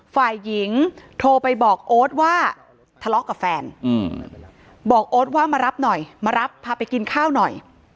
ฝ่ายหญิงโทรไปบอกโอ๊ตว่าทะเลาะกับแฟนบอกโอ๊ตว่ามารับหน่อยมารับพาไปกินข้าวหน่อย